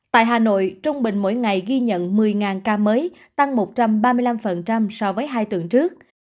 tại hà nội trung bình mỗi ngày ghi nhận một mươi ca mới tăng một trăm ba mươi năm so với hai tuần trước